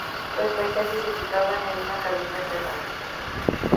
Los pasajeros se situaban en una cabina cerrada.